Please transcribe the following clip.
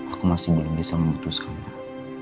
aku masih belum bisa memutuskan mbak